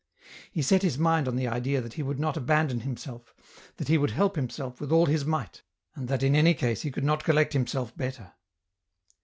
He set his mind on the idea that he would not aban don himself, that he would help himself with all his might, and that in any case he could not collect himself better.